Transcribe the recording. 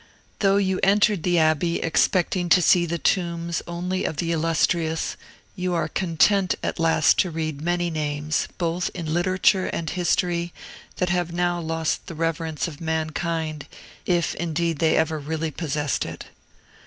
Though you entered the Abbey expecting to see the tombs only of the illustrious, you are content at last to read many names, both in literature and history, that have now lost the reverence of mankind, if indeed they ever really possessed it.